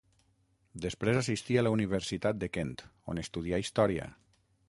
Després assistí a la Universitat de Kent, on estudià història.